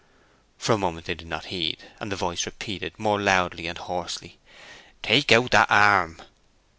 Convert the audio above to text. For a moment they did not heed, and the voice repeated, more loudly and hoarsely, "Take out that arm!"